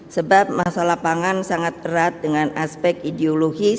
sebab masalah pangan sangat erat dengan aspek ideologis